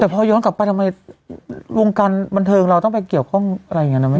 แต่พอย้อนกลับไปทำไมวงการบันเทิงเราต้องไปเกี่ยวข้องอะไรอย่างนั้นนะแม่